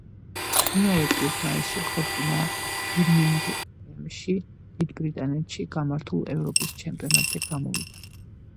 იმავე წლის მაისში ხორკინა ბირმინგემში, დიდ ბრიტანეთში გამართულ ევროპის ჩემპიონატზე გამოვიდა.